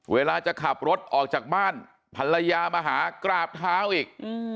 เวลาจะขับรถออกจากบ้านภรรยามาหากราบเท้าอีก